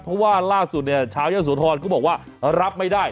เพราะว่าล่าสุดเนี่ยชาวเยอะโสธรก็บอกว่ารับไม่ได้